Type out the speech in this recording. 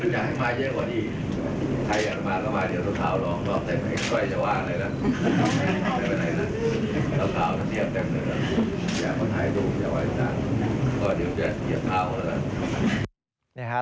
อย่าเทียบเท่าเหรอ